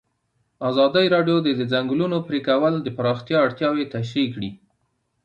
ازادي راډیو د د ځنګلونو پرېکول د پراختیا اړتیاوې تشریح کړي.